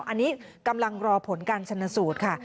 อันนี้กำลังรอผลการชนสูตรค่ะ